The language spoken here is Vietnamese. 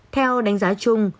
theo đánh giá chung